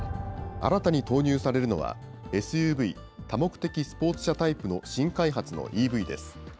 新たに投入されるのは、ＳＵＶ・多目的スポーツ車タイプの新開発のＥＶです。